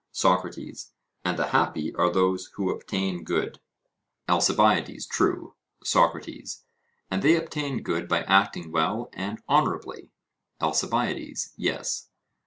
SOCRATES: And the happy are those who obtain good? ALCIBIADES: True. SOCRATES: And they obtain good by acting well and honourably? ALCIBIADES: Yes.